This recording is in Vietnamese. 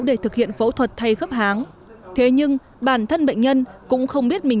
để thực hiện phẫu thuật thay khớp háng thế nhưng bản thân bệnh nhân cũng không biết mình